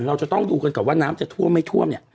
เราจะต้องดูกันก่อนว่าน้ำจะท่วมไม่ท่วมเนี่ย